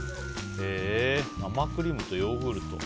生クリームとヨーグルト。